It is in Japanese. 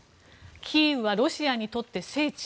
キーウはロシアにとって聖地。